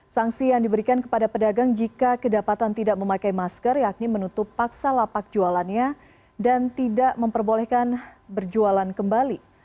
sanksi yang diberikan kepada pedagang jika kedapatan tidak memakai masker yakni menutup paksa lapak jualannya dan tidak memperbolehkan berjualan kembali